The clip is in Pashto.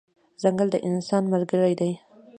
ځنګل د انسان ملګری دی.